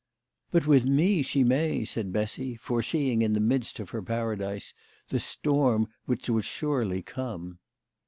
" But with me she may," said Bessy, foreseeing in the midst of her Paradise the storm which would surely come.